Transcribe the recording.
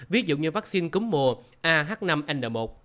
ví dụ như vaccine cúm mùa ah năm n một